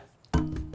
onci rumah lu